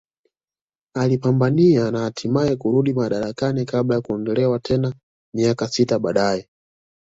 Alipambania na hatimae kurudi madarakani kabla ya kuondolewa tena miaka sita baadae